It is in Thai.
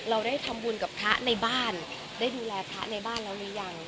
เราได้ทำบุญกับพระในบ้านได้ดูแลพระในบ้านแล้วหรือยัง